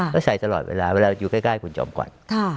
ก็ใส่ตลอดเวลาเวลาอยู่ใกล้คุณจอมขวัญ